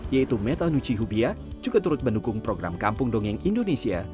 yaitu metanuchi hubia juga turut mendukung program kampung dongeng indonesia